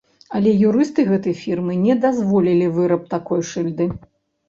Але юрысты гэтай фірмы не дазволілі выраб такой шыльды.